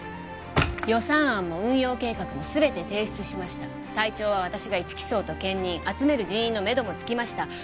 予算案も運用計画も全て提出しました隊長は私が１機捜と兼任集める人員のめどもつきました